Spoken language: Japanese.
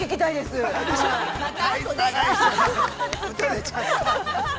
◆打たれちゃった。